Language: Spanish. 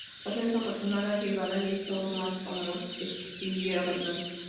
Esta desafortunada llegada le hizo aún más famoso que si hubiera ganado.